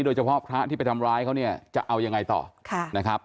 โดยเฉพาะพระที่ไปทำร้ายเขาเนี่ยจะเอายังไงต่อนะครับ